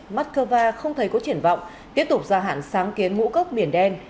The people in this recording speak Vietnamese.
mắc cơ va không thấy có triển vọng tiếp tục gia hạn sáng kiến mũ cốc biển đen